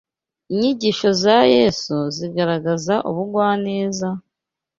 Inyigisho za Yesu, zigaragaza ubugwaneza,